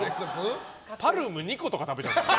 パルム２個とか食べちゃうんだから。